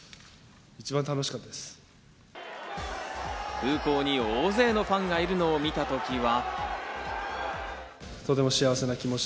空港に大勢のファンがいるのを見たときは。